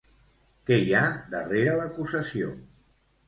Qui hi ha darrere l'acusació?